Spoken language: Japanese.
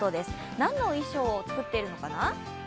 何の印象を作っているのかな？